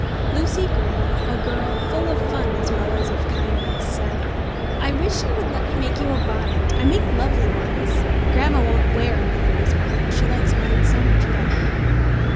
Lucy Grey, a girl full of fun as well as of kindness, said, "I wish you would let me make you a bonnet; I make lovely ones. Grandma won't wear a milliner's bonnet, she likes mine so much better."